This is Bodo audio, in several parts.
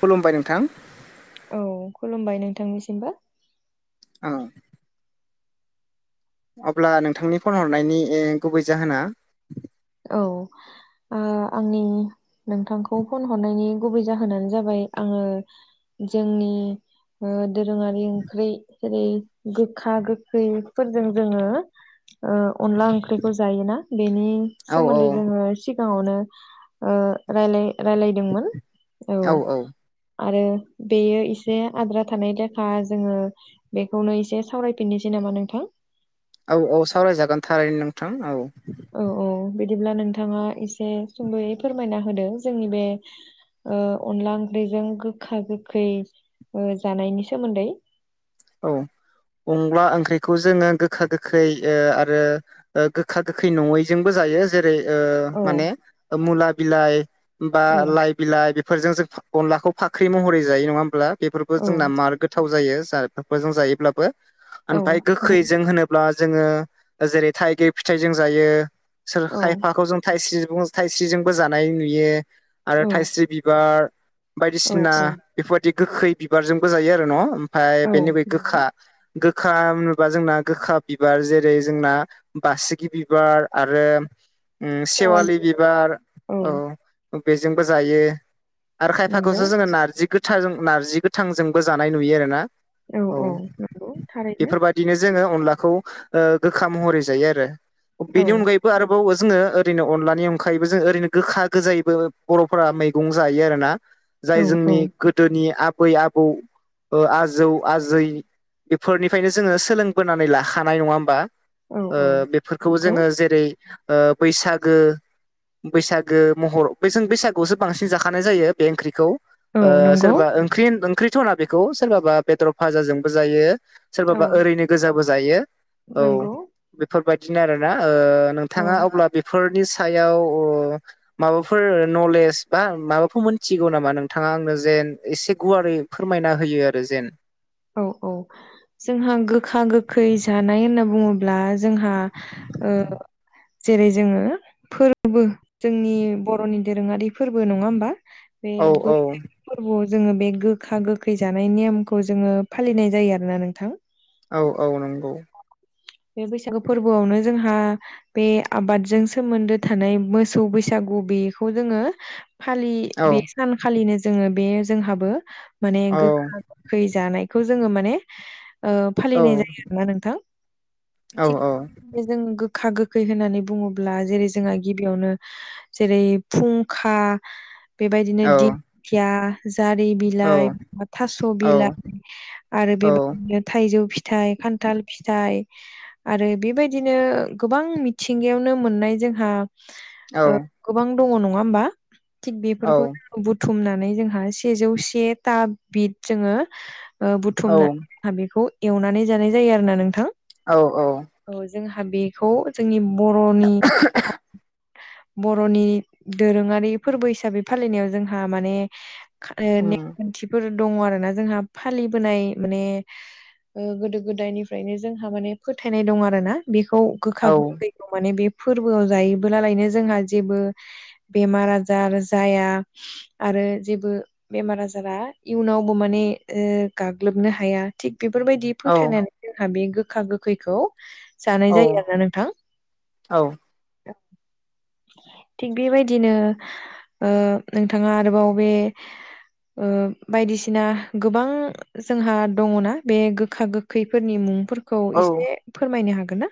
खुलुमबाय नोंथां औ खुलुमबाय नोंथांनिसिमबो ओं अब्ला नोंथांनि फन हरनायनि ए गुबै जाहोना औ। ओ आंनि नोंथांखौ फन हरनायनि गुबै जाहोनानो जाबाय आङो जोंनि ओ दोरोङारि ओंख्रि जेरै गोखा गोखैफोरजों जोङो ओ अनला ओंख्रिखौ जायोना बेनि औ औ सोमोन्दै जोङो सिगाङावनो ओ रायलाय रायलायदोंमोन औ। आरो बेयो एसे आद्रा थानाय लेखा जोङो बेखौनो एसे सावरायफिननोसै नामा नोंथां? औ औ सावरायजागोन थारैनो नोंथां औ। औ औ बिदिब्ला नोंथाङा एसे सुंद'यै फोरमायना होदो जोंनि बे ओ अनला ओंख्रिजों गोखा गोखै ओ जानायनि सोमोन्दै। औ अंग्ला ओंख्रिखौ जोङो गोखा गोखै ओ आरो ओ गोखा गोखै नङैजोंबो जायो। जेरै ओ औ माने मुला बिलाइ बा औ लाइ बिलाइ बेफोरजों जों अनलाखौ फाख्रि महरै जायो नङा होमब्ला बेफोरखौ औ जोंना मार गो गोथाव जायो जा जायोब्लाबो औ आमफाय गोखैजों होनो ब्ला जोङो जेरै थाइगिर फिथाइ जों जायो सोर औ खायफाखौ जों थाइस्रि थाइस्रिजोंबो जानाय नुयो। आरो औ थायस्रि बिबार बायदिसिना औ बेफोरबादि गोखै बिबारजोंबो जायो आरो न'? ओमफाय औ बेनि बे नंगौ गोखा गोखा होनोबा जोंना गोखा बिबार जेरै जोंना बासिगि बिबार आरो उम सेवालि बिबार औ बेजोंबो जायो। आरो नंगौ खायफाखौसो जोङो नारजि गोथारजों नारजि गोथांजोंबो जानाय नुयो आरो ना। औ औ नंगौ थारैनो। बिदिनो जोङो अनलाखौ ओ गोखा महरै जायो आरो औ बिनि अनगायैबो आरोबाव जोङो ओरैनो अनलानि अंखायैबो जों ओरैनो गोखा गोजायैबो बर'फोरा मैगं जायो आरोना। जाय औ जोंनि औ गोदोनि आबै आबौ ओ आजौ आजै बेफोरनिफ्रायनो जोङो सोलोंबोनानै लाखानाय नङा होमबा? औ ओ औ बेफोरखौ नंगौ जोङो जेरै ओ बैसागो बैसागो महर बे जों बैसागुआवसो बांसिन जाखानाय जायो बे ओंख्रिखौ। औ ओ नंगौ सोरबा ओंख्रि ओंख्रिथ' होना बेखौ सोरबाबा बेदर भाजाजोंबो जायो। औ सोरबाबा ओरैनो गोजाबो जायो औ नंगौ बेफोरबायदिनो आरोना ओ औ थाङा अब्ला बेफोरनि सायाव ओ माबाफोर नलेज बा माबाफोर मोनथिगौ नामा नोंथाङा आंनो जेन एसे गुवारै फोरमायना होयो आरो जेन। औ औ। जोंहा गोखा गोखै जानाय होनना बुङोब्ला जोंहा ओ जेरै जोङो फोरबो जोंनि बर'नि दोरोङारि फोरबो नङा होमबा? बे औ औ बैसाग फोरबोआव जोङो बे गोखा गोखै जानाय नेमखौ जोङो फालिनाय जायो आरोना नोंथां। औ औ नंगौ। बे बैसागो फोरबोआवनो जोंहा बे आबादजों सोमोन्दो थानाय मोसौ बैसागु बेखौ जोङो फालि औ बे सानखालिनो जोङो बे जोंहाबो माने औ गोखा खै जानायखौ जोङो माने ओ औ फालिनाय जायो आरोना नोंथां। औ थिग जों गोखा गोखै होननानै बुङोब्ला जेरै जोंहा गिबियावनो जेरै फुंखा। बेबायदिनो औ दिंखिया जारि बिलाइ थास' बिलाइ आरो बेबायदिनो थाइजौ फिथाइ खान्थाल फिथाइ आरो बेबायदिनो गोबां मिथिंगायावनो मोननाय जोंहा औ ओ गोबां दङ नङा होमबा थिग औ बेफोरखौ बुथुमनानै जोंहा सेजौ से था बिद जोंङो औ बुथुमना बेखौ एवनानै जानाय जायो आरोना नोंथां। औ औ औ जोंहा बेखौ जोंनि बर'नि बर'नि दोरोङारि फोरबो हिसाबै फालिनायाव जोंहा माने औ नेम खान्थिफोर दङ आरोना जोंहा फालिबोनाय माने ओ गोदो गोदायनिफ्रायनो जोंहा माने फोथायनाय दं आरोना बेखौ औ गोखा गोखै औ माने बे फोरबोआव जायोबोलालायनो जोंहा जेबो बेमार आजार जाया आरो जेबो बेमार आजारा इयुनावबो माने गाग्लोबनो हाया थिग बेफोरबायदि औ फोथायना जोंहा बे गोखा गोखैखौ जानाय जायो औ आरो नोंथां [inaudible] थिग बेबायदिनो ओ नोंथाङा आरोबाव बे ओ बायदिसिना गोबां जोंहा दङना बे गोखा गोखैफोरनि मुंफोर खौ औ एसे फोरमायनो हागोन ना।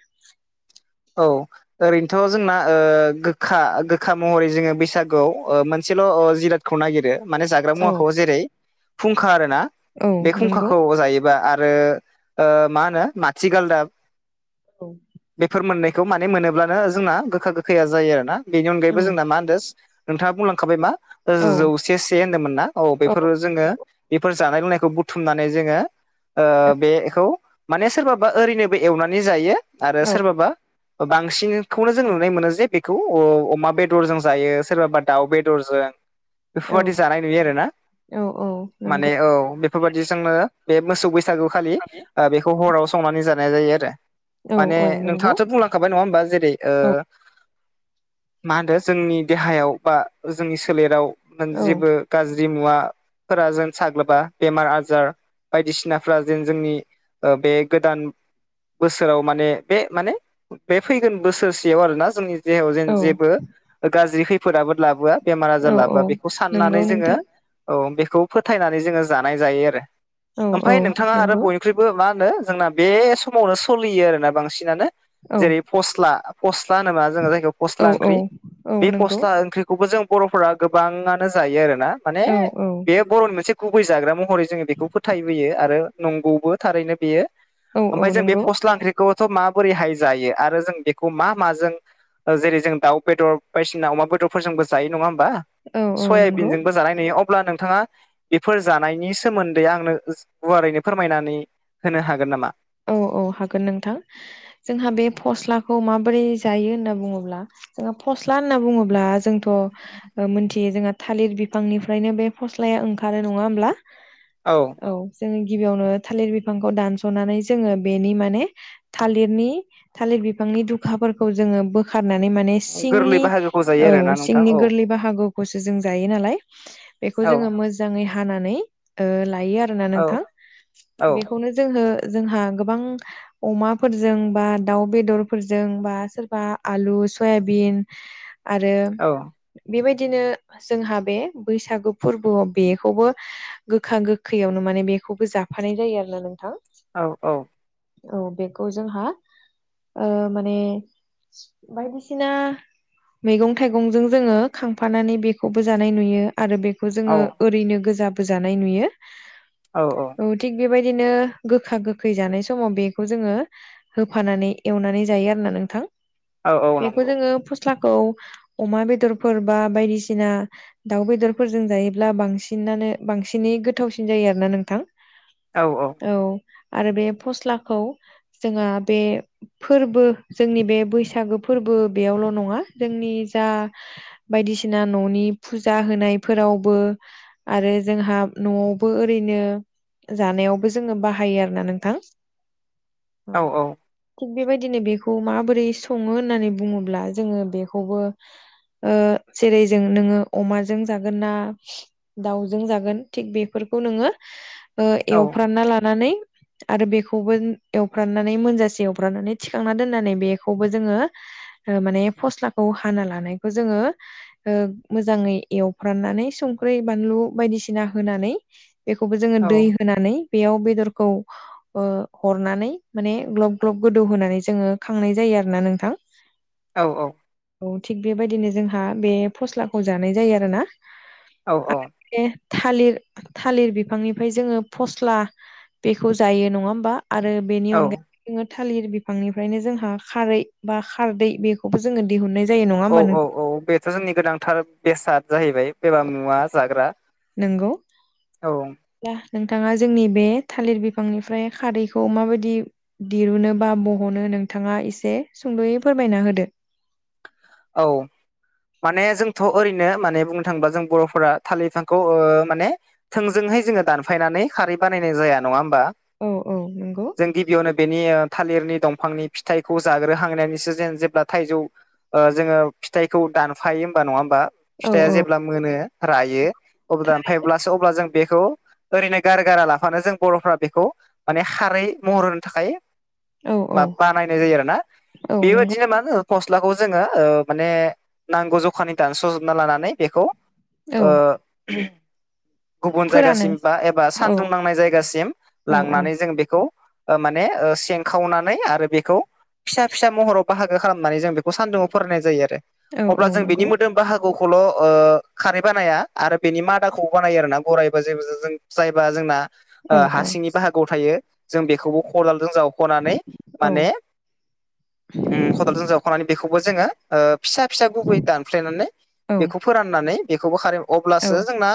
औ ओरैनोथ' जोंना ओ गोखा गोखा महरै जोंङो बैसागुआव मोनसेल' जिराद खौ नायगिरो माने जाग्रा औ मुवाखौ जेरै फुंखा आरोना औ बे नंगौ फुंखाखौ जायोबा आरो ओ मा होनो माथिगालदाब औ फोर मोननायखौ माने मोनोब्लानो जोंना गोखा गोखाया जायो आरोना बेनि औ अनगायैबो जोंना मा होनदों नोंथाङा बुंलांखाबाय मा औ जौसे से होन्दोंमोन ना औ बेफोर जोंङो बेफोर जानाय लोंनायखौ बुथुमनानै जोंङो ओ बेखौ माने सोरबाबा ओरैनोबो एवनानै जायो आरो सोरबाबा बांसिनखौनो जों नुनाय मोनो जे बेखौ अमा बेदरजों जायो सोरबाबा दाउ बेदरजों [inaudible] बेफोरबायादि जानाय नुयो आरो ना औ औ माने नंगौ औ बेफोरबायदि जोंनो बे मोसौ बैसागु खालि बेखौ हराव संनानै जानाय जायो आरो। औ माने औ नं नोंथाङाथ' बुंलांखाबाय नङा होमबा जेरै ओ मा होनदों जोंनि देहायाव बा जोंनि सोलेराव औ जेबो गाज्रि मुवाफोरा जों साग्लोबा बेमार आजार बायदिसिनाफ्रा जेन जोंनि बे गोदान बोसोराव माने बे माने बे फैगोन बोसोरसेयाव आरोना जोंनि देहायाव जेन औ जेबो गाज्रि खै फोर आफोद लाबोआ बेमार आजार औ औ लाबोआ बेखौ साननानै नंगौ जोंङो नोंथां औ बेखौ फोथायनानै जोंङो जानाय जायो आरो औ औ ओमफ्राय नोंथाङा आरो नंगौ बय ओंख्रिबो मा होनो जोंना बे समावनो सोलियो आरोना बांसिनानो औ जेरै फस्ला फस्ला होनोबा जायखौ औ फस्ला औ ओंख्रि औ बे नंगौ फस्ला ओंख्रि खौबो जों बर'फोरा गोबाङानो जायो आरोना माने औ बे बर'नि मोनसे गुबै जाग्रा महरै जोंङो बेखौ फोथायबोयो आरो नंगौबो थारैनो बेयो औ औ ओमफाय जों बे नंगौ फस्ला ओंख्रिखौथ' माबोरैहाय जायो आरो जों बेखौ मा माजों जेरै जों दाउ बेदर बायदिसिना अमा बेदरफोरजोंबो जायो नङा होमबा। औ औ नंगौ सयाबिनजोंबो जानाय नुयो अब्ला नोंथाङा बेफोर जानायनि सोमोन्दै आंनो गुवारैनो फोरमायनानै होनो हागोन नामा। औ औ हागोन नोंथां जोंहा बे फस्लाखौ माबोरै जायो होनना बुङोब्ला जोङो फस्ला होनना बुङोब्ला जोंथ' मोनथियो जोंहा थालिर बिफांनिफ्रायनो बे फस्लाया ओंखारो नङा होमब्ला? औ औ जोङो गिबियावनो थालिर बिफांखौ दानस'नानै जोंङो बेनि माने थालिर बिफांनि दुखाफोरखौ जो ब खारनानै माने गोरलै सिंनि बाहागोखौ जायो औ आरोना नोंथां सिंनि औ गोरलै बाहागोखौ खौसो जों जायो नालाय बेखौ औ जोङो मोजाङै हानानै लायो आरो आरोना औ नोंथां औ बेखौनो जों- जोंहा गोबां अमाफोरजों बा दाउ बेदरफोरजों बा सोरबा आलु, सयाबिन आरो औ बेबायदिनो जोंहा बे बैसागु फोरबोआव बेखौबो गोखा गोखैयावनो माने बेखौबो जाफानाय जायो आरोना नोंथां। औ औ औ बेखौ जोंहा माने बायदिसिना मैगं थाइगंजों जोङो खांफानानै बेखौबो जानाय नुयो आरो बे बेखौ जोङो ओरैनो गोजााबोजानाय नुयो। औ औ औ थिग बेबायदिनो गोखा गोखै जानाय समाव बेखौ जोङो होफानानै एवनानै जायो आरोना नोंथां। औ औ बेखौ नंगौ जोङो फस्लाखौ अमा बेदरफोर बा बायदिसिना दाउ बेदरफोरजों जायोब्ला बांसिनानो बांसिनै गोथावसिन जायो आरोना नोंथां। औ औ औ आरो बे फस्लाखौ जोंहा बे फोरबो जोंनि बे बैसागो फोरबो बेयावल' नङा जोंनि जा बायदिसिना न'नि फुजा होनायफोरावबो आरो जोंहा न'आवबो ओरैनो जानायावबो जोङो बाह हायो आरोोना नोंथां औ थिग बेबायदिनो बेखौ माबोरै सङो होननानै बुङोब्ला जोङो बेखौबो जेरै जों नोङो अमाजों जागोन ना दाउजों जागोन थिग बेफोरखौ नोङो औ एवफ्रानना लानानै आरो बेखौबो एवफ्रनानै मोनजासे एवफ्रानानै थिखांना दोननानै बेखौबो जोङो माने फस्लाखौ हाना लानायखौ जोङो मोजाङै एवफ्राननानै संख्रि बानलु बायदिसिना होनानै बेखौबो जोङो औ दै होनानै बेयाव बेदरखौ हरनानै माने ग्लब ग्लब गोदौ होनानै जोङो खांनाय जायो आरो ना नोंथां। [inaudible] औ औ औ थिग बेबायदिनो जोंहा बे फस्लाखौ जानाय जायो आरो ना। औ औ बे थालिर थालिर बिफांनिफ्राय जोङो फस्ला बेखौ जायो नङा होमबा आरो बेनि औ अनगायै जोङो थालिर बिफांनिफ्रायनो जोंहा खारै बा खारदै बे खौबो जोङो दिहुननाय जायो नङा ह होनोमब्लानो स जोंनि गोनांथार बेसाद जाहैबाय बेबा मुवा जाग्रा नोंगौ औ नोंथाङा जोंनि बे थालिर बिफांनिफ्राय खारैखौ माबायदि दिरुनो बा बह'नो नोंथाङा एसे सुंद'यै फोरमायना होदो। औ माने जोंथ' ओरैनो माने बुंनो थाङोबा जों बर'फोरा थालिर बिफांखौ ओ माने थोंजोंहाय जोङो दानफायनानै खारै बानायनाय जाया नङा होमबा औ औ नंगौ जों गिबियावनो बेनि थालिरनि दंफांनि फिथाइखौ जाग्रोहांनानैसो जेन जेब्ला थाइजौ ओ जोङो फिथाइखौ दानफायो होमबा नङा होमबा औ फिथाइआ औ जेब्ला मोनो रायो औ दानफायब्लासो अब्ला जों बेखौ ओरैनो गार गारा लाफानो जों बर'फ्रा बेखौ माने खारै महर होनो थाखाय औ मा औ बानायनाय जायो आरो ना औ नंगौ बेबादिनो मा होनो फस्लाखौ जोङो ओ माने नांगौ जखानि दानस'जोबना लानानै बेखौ औ ओ [inaudible] गुबुन फोरानो जायगासिम बा एबा औ सानदुं नांनाय जायगासिम औ औ लांनानै जों बेखौ ओ माने ओ सेंखावनानै आरो बेखौ फिसा फिसा महराव बाहागो खालामनानै जों बेख खौ सान्दुंआव फोराननाय जायो आरो औ औ अब्ला जों बिनि नंगौ मोद बाहागोखौल' ओ खारै बानाया आरो बेनि मादाखौबो बानायो आरोना गराइबो जेबो जों जायबा जोंना औ ओ औ हासिंनि बाहागोआव थायो जों बेखौबो खदलजों जाव हनानै औ माने उ खदालजों जाव खनानै बेखौबो जोङो ओ फिसा फिसा गुबै दानफ्लेनानै औ बेखौ फोराननानै बेखौबो खारै औ अब्लासो जोंना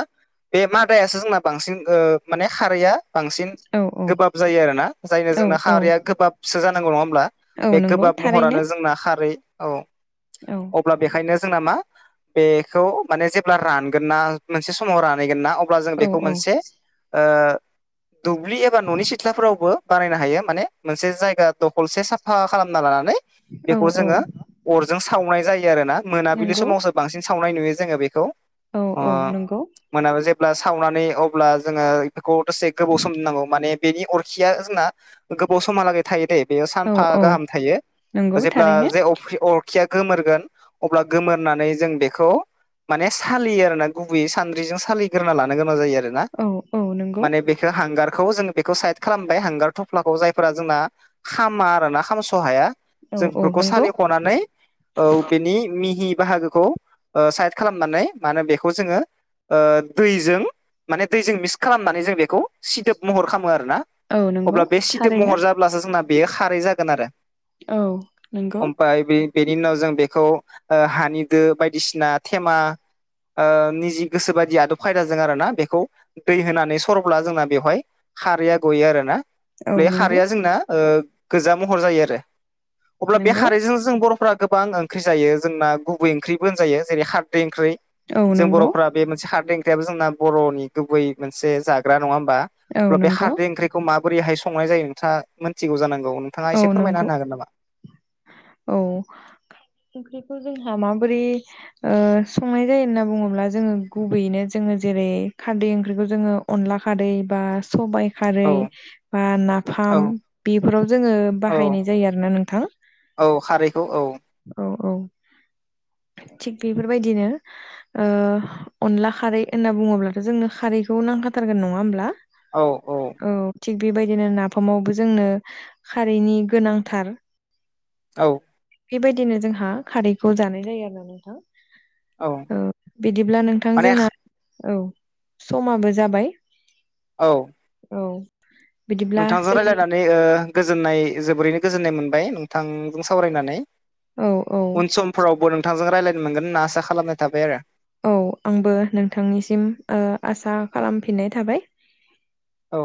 बे मादायासो जोंना बांसिन ओ माने खारैया बांसिन औ गोबाब जायो आरोना जायनो औ जोंना औ खारैया गोबाबसो जानांगौ नङा होमब्ला औ बे नंगौ गोबाब थारैनो महरानो जोंना खारै औ औ अब्ला बेखायनो जोंना मा बेखौ माने जेब्ला रानगोन ना मोनसे समाव रानहैगोन ना अब्ला जों औ बेखौ औ मोनसे ओ दुब्लि एबा न'नि सिथ्लाफोरावबो बानायनो हायो माने मोनसे जायगा दखलसे साफा खालामना लानानै औ बेखौ औ जोङो अरजों सावनाय जायो आरो ना मोनाबिलि नंगौ समावसो बांसिन सावनाय नुयो जोङो बेखौ औ औ नोंगौ मोना जेब्ला सावनानै अब्ला जोङो बेखौ दसे गोबाव सम नांगौ माने बेनि अरखिया जोंना गोबाव समहालागै थायो दे बेयो औ सानफा औ गाहाम थायो नंगौ अब्ला थारैनो जे अ [unintelligible] अरखिया गोमोरगोन अब्ला गोमोरनानै जों बेखौ माने सालियो आरोना गुबैयै सान्द्रिजों सालिग्रोना लानो गोनां जायो आरो ना औ औ नंगौ माने बे बेखौ हांगारखौ जोङो बेखौ साइद खालामबाय हांगार थफ्लाखौ जायफोरा जोंना खामा आरोना खामस' हाया औ जों औ बेफोरखौ नंगौ सालिख'नानै औ बेनि मिहि बाहागोखौ ओ साइद खालामनानै मानो बेखौ जोङो ओ दैजों माने दैजों मिक्स खालामनानै जों बेखौ सिदोब महर खामो आरोना औ नंगौ अब्ला बे सिदोब थारैनो महर जाब्लासो जोंना बेयो खारै जागोन आरो औ नंगौ ओमफाय बेनि उनाव जों बेखौ ओ हानि दो बायदिसिना थेमा ओ निजि गोसो बादि आदब खायदाजों आरो ना बेखौ दै होनानै सरब्ला जोंना बेवहाय खारैया गयो आरो ना औ बे नंगौ खारैया जोंना ओ गोजा महर जायो आरो अब्ला बे नंगौ खारैजों जों बर'फ्रा गोबां ओं ख्रि जायो जोंना गुबै ओंख्रिबो होनजायो जेरै खारदै ओंख्रै औ जों नंगौ बर'फ्रा बे मोनसे खारदै ओंख्रियाबो जोंना बर'नि गुबै मोनसे जाग्रा नङा होमा औ अब्ला बे नंगौ खारदै ओंख्रि खौ माबोरैहाय संनाय जायो नोंथाङा मोनथिगौ जानांगौ नोंथाङा औ एसे फोरमायना नंगो होनो हागोन नामा औ इफोरखौ जोंहा माबोरै ओ संनाय जायो होन्ना बुङोब्ला जोङो गुबैयैनो जोङो जेरै खारदै ओंख्रिखौ जोङो अनला खारदै बा सबाय खारै औ बा औ नाफाम बेफोराव जोङो औ बायनाय जायो आरोना नोंथां औ खारैखौ औ औ औ थिग बेफोरबायदिनो ओ अनला खारै होनना बुङोब्लाथ' जोंनो खारैखौ नांखा थारगोन नङा होमब्ला? औ औ। औ थिग बेबायदिनो नाफामावबो जोंनो खारैनि गोनांथार। औ। बेबायदिनो जोंहा खारैखौ जानाय जायो। औ बिदिब्ला नोंथां माने जोंना औ समाबो जाबाय। औ। औ। बिदिब्ला नोंथांजों जोंनि रायलायनानै ओ गोजोननाय जोबोरैनो गोजोननाय मोनबाय नों थांजों सावरायनानै औ औ उन सम फोरावबो नोंथांजों रायलायनो मोनगोन होनना आसा खालामनाय थाबाय आरो। औ आंबो नोंथांनिसिम ओ आसा खालाम फिननाय थाबाय। औ।